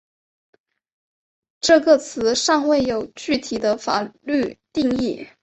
这个词尚未有具体的法律定义。